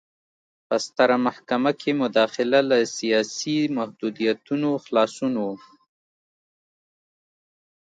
په ستره محکمه کې مداخله له سیاسي محدودیتونو خلاصون و.